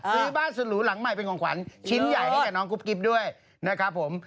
ซื้อบ้านสุดหรูหลังใหม่เป็นของขวัญชิ้นใหญ่ให้กับน้องกุ๊กกิ๊บด้วยนะครับผม